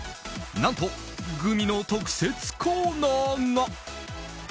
何とグミの特設コーナーが。